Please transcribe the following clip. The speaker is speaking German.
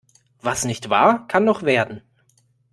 Was nicht war, kann noch werden.